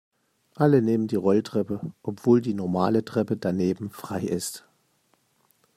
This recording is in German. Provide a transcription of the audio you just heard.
Alle nehmen die Rolltreppe, obwohl die normale Treppe daneben frei ist.